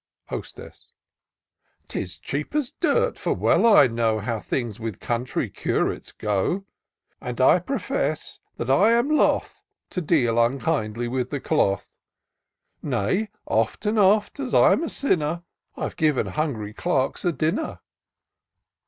33 Hostess. 'Tis cheap as dirt — for well 1 know How things with country curates go : And I profess that I am loth To deal unkindly with the cloth : Nay, oft and oft, as I'm a sinner, I've given hungry clerks a dinner."